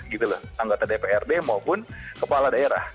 gitu loh anggota dprd maupun kepala daerah